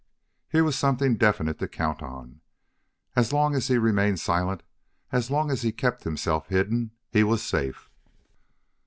Here was something definite to count on. As long as he remained silent, as long as he kept himself hidden, he was safe.